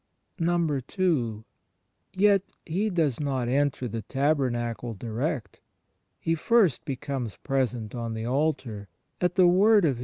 n. Yet He does not enter the Tabernacle direct. He first becomes present on the altar, at the word of His ^ Heb.